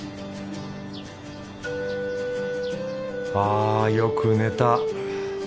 あよく寝た。